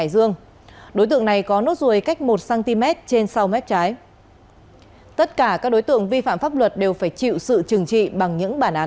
xin chào các bạn